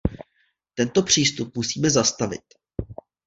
Tento přístup musíme zastavit.